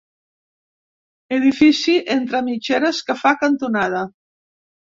Edifici entre mitgeres que fa cantonada.